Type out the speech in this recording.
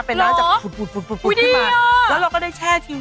เป็นร้างจากผุดผึ่นมาแล้วเราก็ได้แช่ชิล